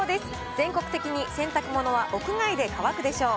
全国的に洗濯物は屋外で乾くでしょう。